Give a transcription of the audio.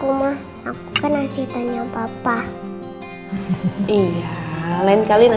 udah sama semua anaknya ini